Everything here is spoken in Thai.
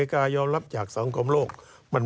การเลือกตั้งครั้งนี้แน่